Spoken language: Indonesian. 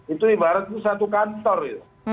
itu ibarat satu kantor itu